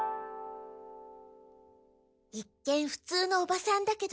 一見ふつうのおばさんだけど。